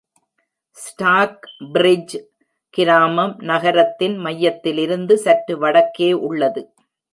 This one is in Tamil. ஸ்டாக் பிரிட்ஜ் கிராமம் நகரத்தின் மையத்திலிருந்து சற்று வடக்கே உள்ளது.